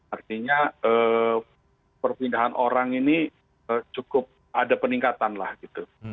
artinya perpindahan orang ini cukup ada peningkatan lah gitu